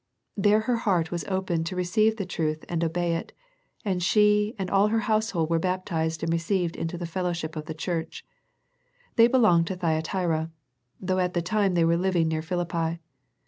There her heart was opened to receive the truth and obey it, and she and all her household were baptized and received into the fellowship of the Church. They belonged to Thyatira, though at the time they were living near Philippi.